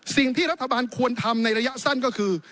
สิ่งที่รัฐบาลควรทำในระยะสั้นก็คือ